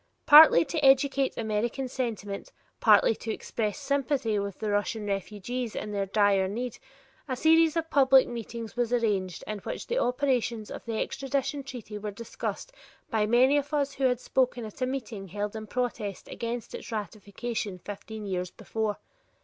Partly to educate American sentiment, partly to express sympathy with the Russian refugees in their dire need, a series of public meetings was arranged in which the operations of the extradition treaty were discussed by many of us who had spoken at a meeting held in protest against its ratification fifteen years before.